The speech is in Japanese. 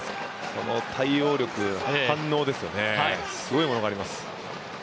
その対応力、反応ですね、すごいものがあります。